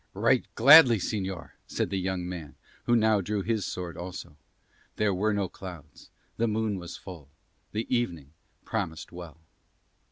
"Right gladly, señor," said the young man, who now drew his sword also. There were no clouds; the moon was full; the evening promised well.